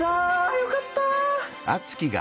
よかった！